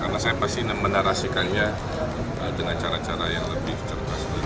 karena saya pasti menarasikannya dengan cara cara yang lebih cerita